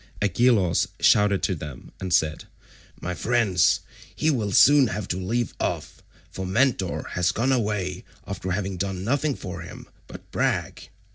Agelaus shouted to them and said, "My friends, he will soon have to leave off, for Mentor has gone away after having done nothing for him but brag.